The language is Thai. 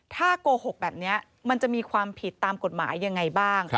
ถ้าโกหกแบบนี้มันจะมีความผิดตามกฎหมายยังไงบ้าง